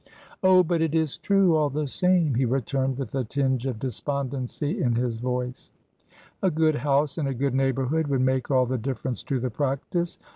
"Oh, but it is true, all the same," he returned, with a tinge of despondency in his voice. "A good house in a good neighbourhood would make all the difference to the practice.